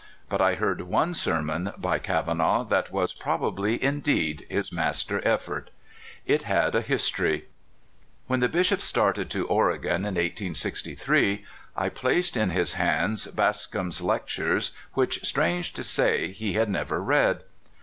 But I heard one sermon by Kavanaugh that was probably indeed his master effort. It had a histo ry. When the Bishop started to Oregon, in 1863, I placed in his hands Bascom's *' Lectures," which, strange to say, he had never read.